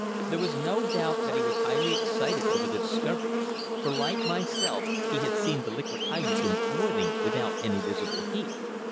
There was no doubt that he was highly excited over the discovery, for, like myself, he had seen the liquid hydrogen boiling without any visible heat.